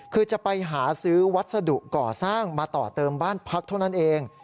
คือจะไปหาซื้อวัสดุก่อสร้างมาต่อเติมบ้านพักเท่านั้นเอง